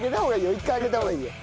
１回上げた方がいいよ。